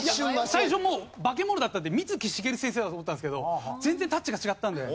最初化け物だったので水木しげる先生だと思ったんですけど全然タッチが違ったんで。